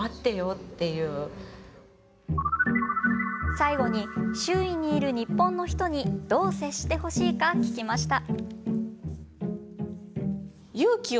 最後に、周囲にいる日本の人にどう接してほしいか聞きました。